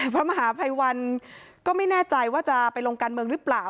พระมหาภัยวันก็ไม่แน่ใจว่าจะไปลงการเมืองหรือเปล่า